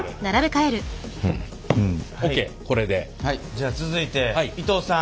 じゃあ続いて伊藤さん。